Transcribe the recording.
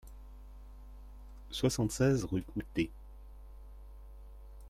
soixante-seize rue Coutey